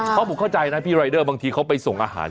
เพราะผมเข้าใจนะพี่รายเดอร์บางทีเขาไปส่งอาหาร